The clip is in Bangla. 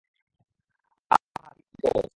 আহা, কী জোশ শো-অফ!